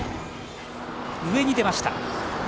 上に出ました。